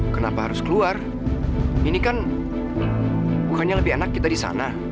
kenapa harus keluar ini kan bukannya lebih enak kita di sana